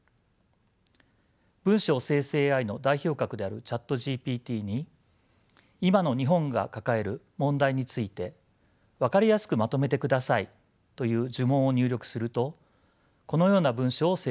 文章生成ＡＩの代表格であるＣｈａｔＧＰＴに「今の日本が抱える問題についてわかりやすくまとめてください」という呪文を入力するとこのような文章を生成します。